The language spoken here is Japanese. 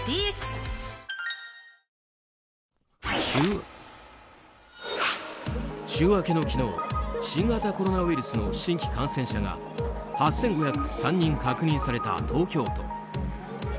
週明けの昨日新型コロナウイルスの新規感染者が８５０３人確認された東京都。